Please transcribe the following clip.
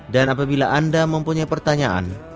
dan apabila anda mempunyai pertanyaan